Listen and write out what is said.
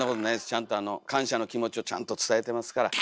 ちゃんと感謝の気持ちをちゃんと伝えてますから。